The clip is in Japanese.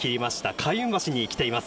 開運橋に来ています。